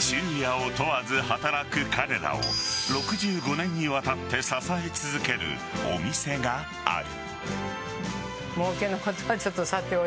昼夜を問わず働く彼らを６５年にわたって支え続けるお店がある。